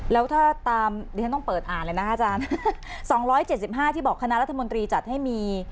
แล้วถ้าตามดิฉันต้องเปิดอ่านเลยนะคะอาจารย์๒๗๕ที่บอกคณะรัฐมนตรีจัดให้มี